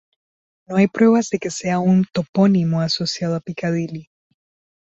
No hay pruebas de que sea un topónimo asociado a Piccadilly.